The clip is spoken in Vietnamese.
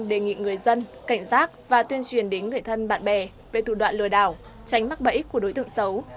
đề nghị người dân cảnh giác và tuyên truyền đến người thân bạn bè về thủ đoạn lừa đảo tránh mắc bẫy của đối tượng xấu